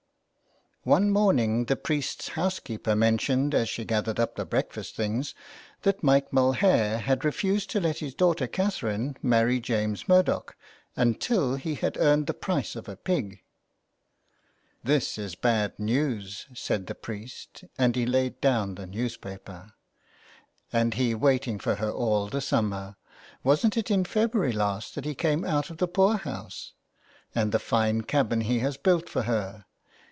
One morning the priest's housekeeper mentioned as she gathered up the breakfast things, that Mike Mulhare had refused to let his daughter Catherine marry James Murdoch until he had earned the price of a pig. " This is bad news," said the priest, and he laid down the newspaper. '' And he waiting for her all the summer ! Wasn't it in February last that he came out of the poor house ? And the fine cabin he has built for her